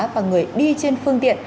và người đi trên phương tiện